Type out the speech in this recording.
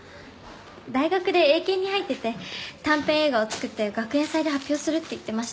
大学で映研に入ってて短編映画を作って学園祭で発表するって言ってました。